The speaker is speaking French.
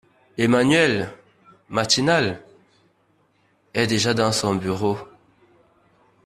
Emmanuelle, matinale, est déjà dans son bureau.